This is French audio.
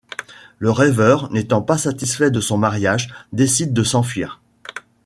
Le rêveur, n'étant pas satisfait de son mariage, décide de s'enfuir.